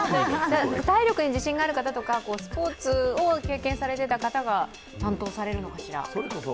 体力に自信がある方とかスポーツを経験されていた方が担当されるのかしら？